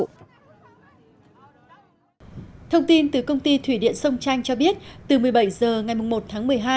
thông tin từ công ty thủy điện sông chanh cho biết từ một mươi bảy h ngày một tháng một mươi hai